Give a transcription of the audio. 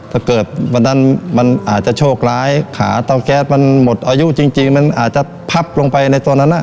ถ้าเกิดวันนั้นมันอาจจะโชคร้ายขาเตาแก๊สมันหมดอายุจริงมันอาจจะพับลงไปในตอนนั้น